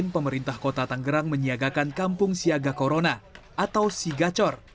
pemerintah kota tanggerang menyiagakan kampung siaga corona atau sigacor